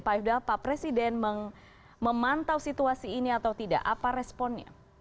pak ifdal pak presiden memantau situasi ini atau tidak apa responnya